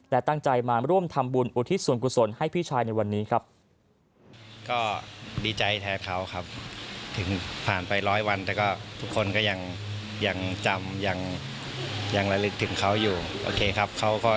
และตั้งใจมาร่วมทำบุญอุทิศส่วนกุศลให้พี่ชายในวันนี้ครับ